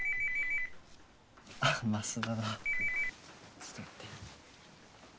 あっ増田だちょっと待って